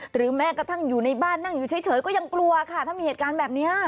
แม้กระทั่งอยู่ในบ้านนั่งอยู่เฉยก็ยังกลัวค่ะถ้ามีเหตุการณ์แบบนี้